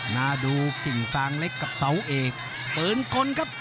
มาดูกิ่งซางเล็กกับเสาเอกปืนกลครับ